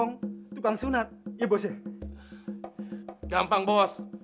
nah kenapa syarif yang kawin